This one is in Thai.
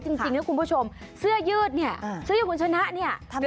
จริงคุณผู้ชมเสื้อยืดเนี่ย